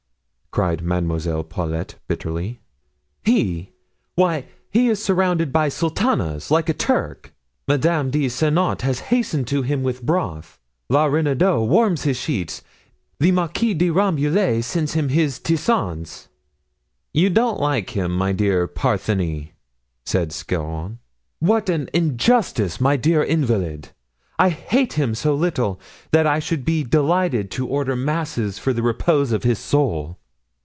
cried Mademoiselle Paulet, bitterly, "he! Why, he is surrounded by sultanas, like a Turk. Madame de Saintot has hastened to him with broth; La Renaudot warms his sheets; the Marquise de Rambouillet sends him his tisanes." "You don't like him, my dear Parthenie," said Scarron. "What an injustice, my dear invalid! I hate him so little that I should be delighted to order masses for the repose of his soul."